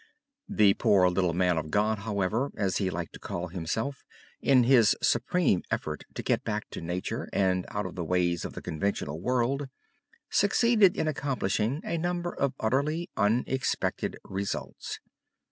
"The poor little man of God," however, as he liked to call himself, in his supreme effort to get back to nature and out of the ways of the conventional world, succeeded in accomplishing a number of utterly unexpected results.